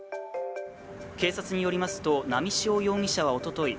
警察によりますと波汐容疑者はおととい